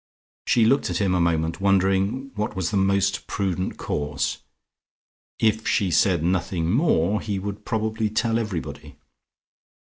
She looked at him a moment, wondering what was the most prudent course. If she said nothing more, he would probably tell everybody....